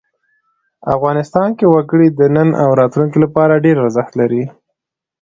افغانستان کې وګړي د نن او راتلونکي لپاره ډېر ارزښت لري.